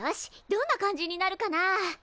どんな感じになるかな？